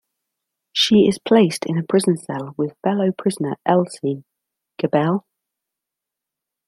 She is placed in a prison cell with fellow prisoner Else Gebel.